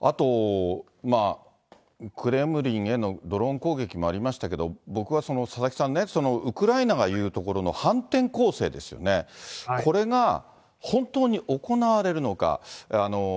あと、クレムリンへのドローン攻撃もありましたけど、僕は佐々木さんね、ウクライナが言うところの反転攻勢ですよね、これが本当に行われるのか。